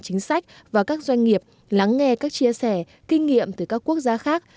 việc và các doanh nghiệp lắng nghe các chia sẻ kinh nghiệm từ các quốc gia khác